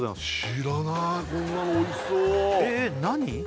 知らないこんなのおいしそうええっ何！？